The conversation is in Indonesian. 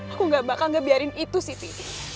aku gak bakal gak biarin itu siti